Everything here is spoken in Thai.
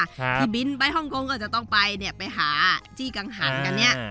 ที่บินไปฮ่องกงก็จะต้องไปเนี่ยไปหาจี้กังหันกันเนี่ย